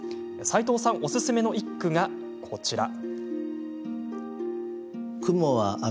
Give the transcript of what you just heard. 齋藤さんおすすめの一句がこちら。